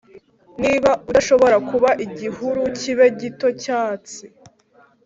niba udashobora kuba igihuru kibe gito cyatsi,